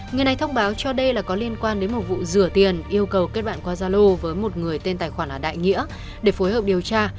người này thông báo cho đây là có liên quan đến một vụ rửa tiền yêu cầu kết bạn qua gia lô với một người tên tài khoản là đại nghĩa để phối hợp điều tra